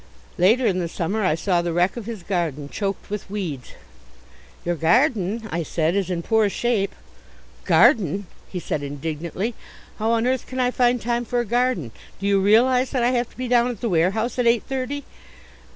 Later in the summer I saw the wreck of his garden, choked with weeds. "Your garden," I said, "is in poor shape." "Garden!" he said indignantly. "How on earth can I find time for a garden? Do you realize that I have to be down at the warehouse at eight thirty?"